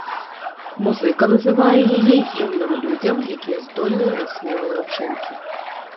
Музыка называе яе гімнам людзям, якія здольныя на смелыя ўчынкі.